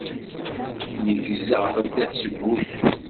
Neggzeɣ-d seg wusu.